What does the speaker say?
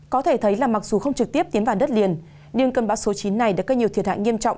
có thể thấy là mặc dù không trực tiếp tiến vào đất liền nhưng cơn bão số chín này đã gây nhiều thiệt hại nghiêm trọng